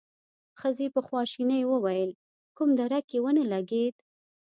ښځې په خواشينۍ وويل: کوم درک يې ونه لګېد؟